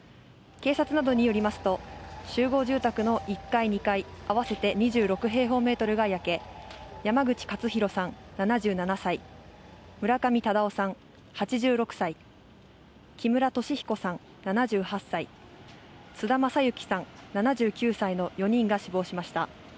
警察などによりますと、集合住宅の１階・２階合わせて２６平方メートルが焼け、山口勝弘さん７７歳、村上忠雄さん８６歳、木村敏彦さん７８歳、津田正行さん７９歳の４人が死亡しました。